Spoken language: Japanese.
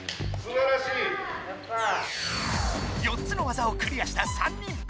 ４つの技をクリアした３人。